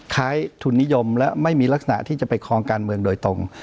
ทุนนิยมและไม่มีลักษณะที่จะไปคลองการเมืองโดยตรง